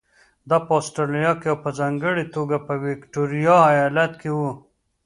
دا په اسټرالیا او په ځانګړې توګه په ویکټوریا ایالت کې وو.